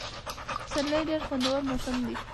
پسرلی ډېر خوندور موسم دی.